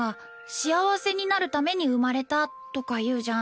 幸せになるために生まれたとか言うじゃん